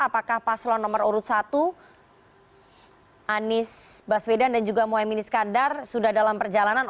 apakah paslon nomor urut satu anies baswedan dan juga mohaimin iskandar sudah dalam perjalanan